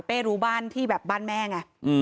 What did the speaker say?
รู้บ้านที่แบบบ้านแม่ไง